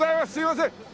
すいません。